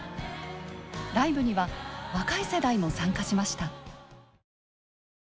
ライブには若い世代も参加しました。